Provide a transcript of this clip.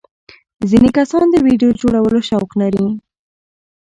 ځینې کسان د ویډیو جوړولو شوق لري.